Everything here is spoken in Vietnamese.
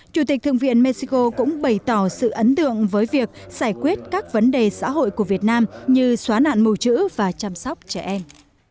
chủ tịch thượng viện mexico cũng bày tỏ sự ấn tượng với việc giải quyết các vấn đề xã hội của việt nam như xóa nạn mù chữ và chăm sóc trẻ em